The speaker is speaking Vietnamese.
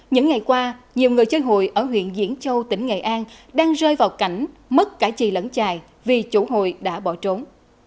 những ngày qua nhiều người chơi hội ở huyện diễn châu tỉnh nghệ an đang rơi vào cảnh mất cả chì lẫn trài vì chủ hội đã bỏ trốn